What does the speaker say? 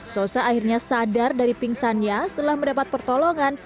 sosa akhirnya sadar dari pingsannya setelah mendapat pertolongan